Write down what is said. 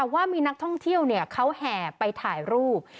ว่ามีนักท่องเที่ยวเขาแห่ไปถ่ายรูป